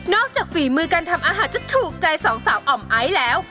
จากฝีมือการทำอาหารจะถูกใจสองสาวอ่อมไอซ์แล้ว